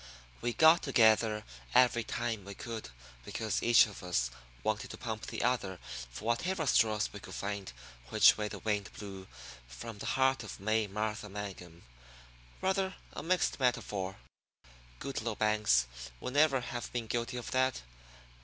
We got together every time we could because each of us wanted to pump the other for whatever straws we could to find which way the wind blew from the heart of May Martha Mangum rather a mixed metaphor; Goodloe Banks would never have been guilty of that.